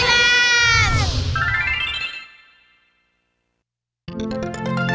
ออฮอล์ไทยแลนด์